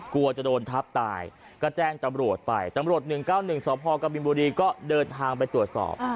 กลัวจะโดนทับตายก็แจ้งตำรวจไปตำรวจ๑๙๑สพกบินบุรีก็เดินทางไปตรวจสอบ